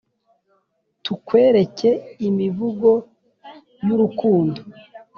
tukwereke imivugo yu rukundo,